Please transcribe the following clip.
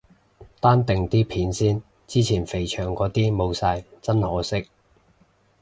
單定啲片先，之前肥祥嗰啲冇晒，真可惜。